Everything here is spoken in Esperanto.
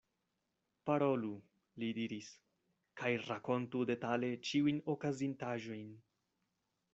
Parolu, li diris, kaj rakontu detale ĉiujn okazintaĵojn.